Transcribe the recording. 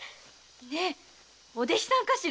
ねえお弟子さんかしら。